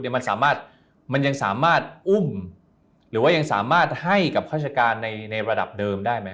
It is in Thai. มันสามารถมันยังสามารถอุ้มหรือว่ายังสามารถให้กับราชการในระดับเดิมได้ไหม